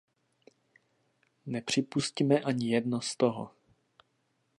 Nepřipusťme ani jedno z toho.